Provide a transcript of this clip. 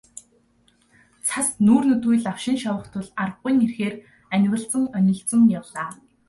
Цас нүүр нүдгүй лавшин шавах тул аргагүйн эрхээр анивалзан онилзон явлаа.